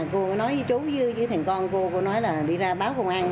cô ấy nói với chú với thằng con cô cô nói là đi ra báo công an